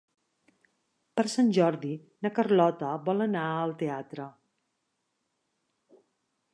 Per Sant Jordi na Carlota vol anar al teatre.